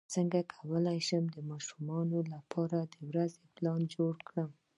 څنګه کولی شم د ماشومانو لپاره د ورځې پلان جوړ کړم